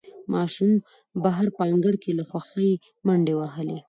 ماشوم بهر په انګړ کې له خوښۍ منډې وهلې